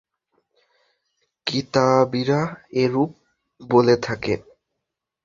কিতাবীরা এরূপ বলে থাকে।